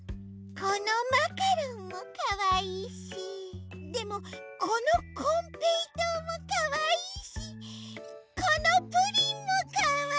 このマカロンもかわいいしでもこのこんぺいとうもかわいいしこのプリンもかわいい！